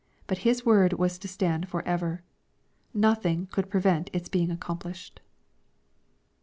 But His word was to stand forever. Nothing could prevent its being accomplished.